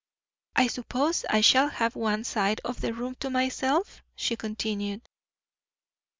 "I suppose I shall have one side of the room to myself?" she continued.